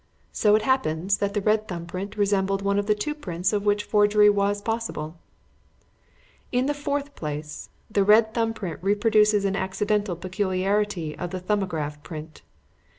So it happens that the red thumb print resembled one of the two prints of which forgery was possible. "In the fourth place, the red thumb print reproduces an accidental peculiarity of the 'Thumbograph' print.